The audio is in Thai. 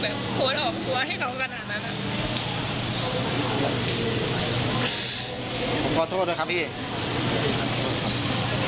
แบบโพสต์ออกตัวให้เขากระดับนั้นอ่ะขอโทษนะครับพี่